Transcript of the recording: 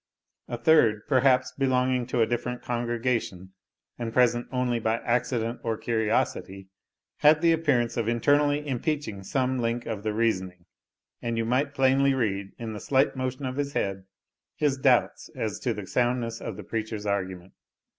A third, perhaps belonging to a different congregation, and present only by accident or curiosity, had the appearance of internally impeaching some link of the reasoning; and you might plainly read, in the slight motion of his head, his doubts as to the soundness of the preacher's argument.